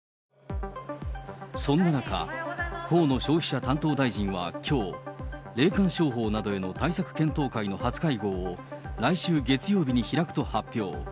そんな中、河野消費者担当大臣はきょう、霊感商法などへの対策検討会の初会合を、来週月曜日に開くと発表。